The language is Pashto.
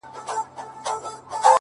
وران خو وراني كيسې نه كوي!!